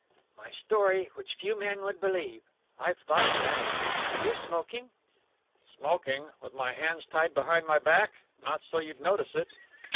"My story which few men would believe. I've thought of that. Are you smoking?" "Smoking, with my hands tied behind my back? Not so you'd notice it."